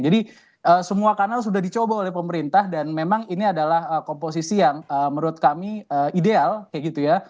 jadi semua kanal sudah dicoba oleh pemerintah dan memang ini adalah komposisi yang menurut kami ideal kayak gitu ya